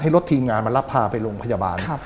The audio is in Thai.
รถทีมงานมารับพาไปโรงพยาบาล